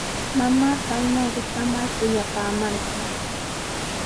Mamaa kaynaw rikamar kuyapaamarqan.